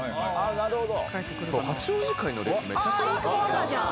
なるほど。